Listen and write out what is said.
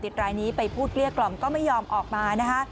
รายนี้ไปพูดเกลี้ยกล่อมก็ไม่ยอมออกมานะคะ